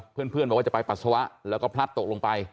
เพื่อนบอกว่าจะไปปัสสาวะแล้วก็พลัดตกลงไป